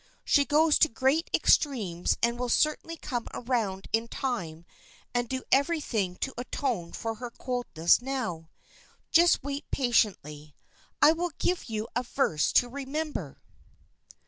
She goes to great extremes and will certainly come around in time and do every 168 THE FRIENDSHIP OF ANNE 169 thing to atone for her coldness now. Just wait patiently. I will give you a verse to remember.